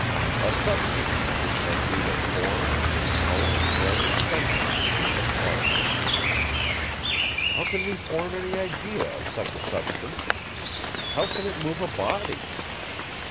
A substance, which has neither form, nor colour, nor extension, nor parts. How can we form any idea of such a substance? How can it move a body?